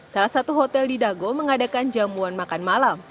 salah satu hotel di dago mengadakan jamuan makan malam